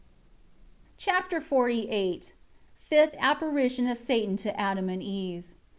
Chapter XLVIII Fifth apparition of Satan to Adam and Eve.